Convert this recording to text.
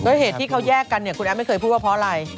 เหตุที่เขาแยกกันเนี่ยคุณแอฟไม่เคยพูดว่าเพราะอะไร